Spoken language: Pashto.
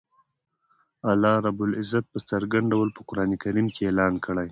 الله رب العزت په څرګند ډول په قران کریم کی اعلان کوی